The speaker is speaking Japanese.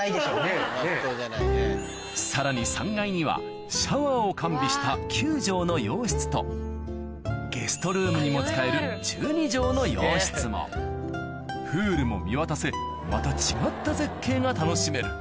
さらに３階にはシャワーを完備したゲストルームにも使える１２帖の洋室もプールも見渡せまた違った絶景が楽しめる